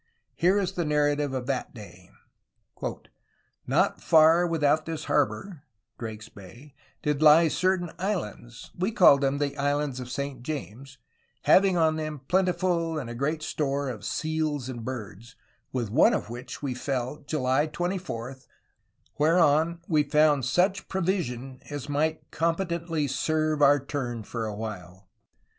Here is the narrative of that day : "Not farre without this harborough [Drake's Bay] did lye cer taine Hands (we called them the Hands of Saint James) , hauing on them plentifuU and great store of Seales and birds, with one of which wee fell July 24, whereon we found such prouision as might competently serue our turne for a while.